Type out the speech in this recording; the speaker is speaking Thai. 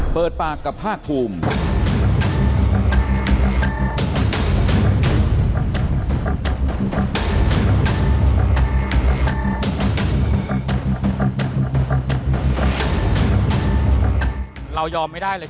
เปิดปากกับภาคภูมิ